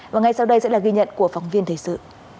và ngay sau đây sẽ là ghi nhận của phóng viên thời sự